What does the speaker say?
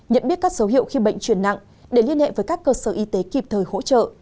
nhận biết các dấu hiệu khi bệnh truyền nặng để liên hệ với các cơ sở y tế kịp thời hỗ trợ